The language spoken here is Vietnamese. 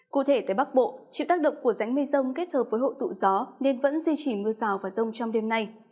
cụ thể tại bắc bộ chịu tác động của rãnh mây rông kết hợp với hội tụ gió nên vẫn duy trì mưa rào và rông trong đêm nay